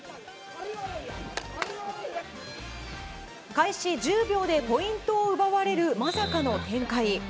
開始１０秒でポイントを奪われるまさかの展開。